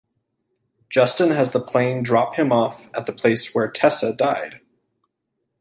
Justin has the plane drop him off at the place where Tessa died.